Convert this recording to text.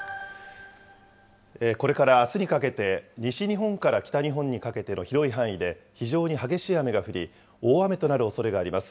これからあすにかけて、西日本から北日本にかけての広い範囲で非常に激しい雨が降り、大雨となるおそれがあります。